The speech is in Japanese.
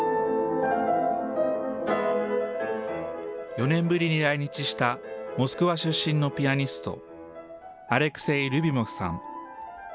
４年ぶりに来日したモスクワ出身のピアニスト、アレクセイ・リュビモフさん。